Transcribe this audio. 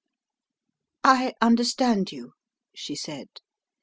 "I understand you," she said.